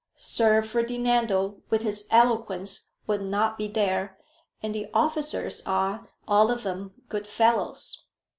Sir Ferdinando with his eloquence will not be there, and the officers are, all of them, good fellows.